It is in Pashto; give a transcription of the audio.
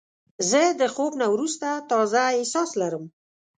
زه د خوب نه وروسته تازه احساس لرم.